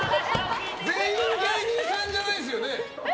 全員芸人さんじゃないですよね？